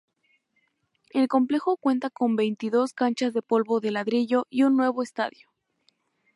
El complejo cuenta con veintidós canchas de polvo de ladrillo y un nuevo estadio.